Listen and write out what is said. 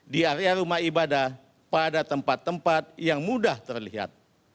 di area rumah ibadah pada tempat tempat yang mudah terlihat